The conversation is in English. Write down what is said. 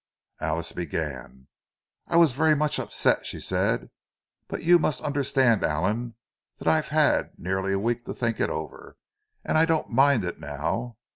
Alice began. "I was very much upset," she said. "But you must understand, Allan, that I've had nearly a week to think it over, and I don't mind it now.